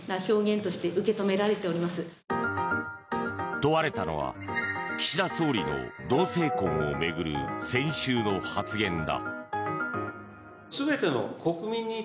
問われたのは、岸田総理の同性婚を巡る先週の発言だ。